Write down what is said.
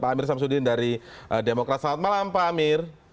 pak amir samsudin dari demokrat selamat malam pak amir